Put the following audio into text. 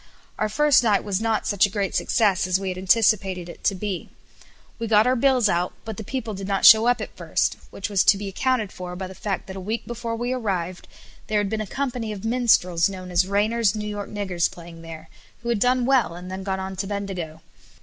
Our first night was not such a great success as we had anticipated it to be. We got our bills out; but the people did not show up at first, which was to be accounted for by the fact that a week before we arrived there had been a company of minstrels known as Rainer's New York Niggers playing there, who had done well, and then gone on to Bendigo.